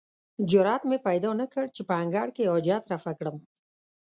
جرئت مې پیدا نه کړ چې په انګړ کې حاجت رفع کړم.